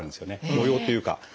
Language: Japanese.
模様というか。